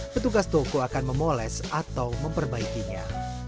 petugas toko akan memoles atau memperbaikinya